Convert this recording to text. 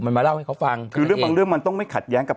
มันมาเล่าให้เขาฟังคือเรื่องบางเรื่องมันต้องไม่ขัดแย้งกับ